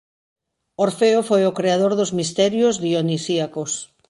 Orfeo foi o creador dos Misterios dionisíacos.